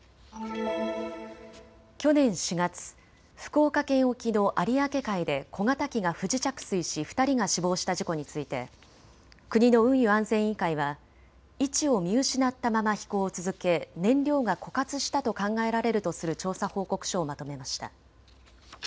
去年４月、福岡県沖の有明海で小型機が不時着水し２人が死亡した事故について国の運輸安全委員会は位置を見失ったまま飛行を続け燃料が枯渇したと考えられるとする調査報告書をまとめました。